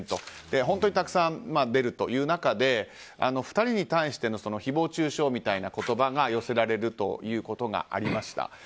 本当にたくさん出るという中で２人に対しての誹謗中傷みたいな言葉が寄せられるということがありました。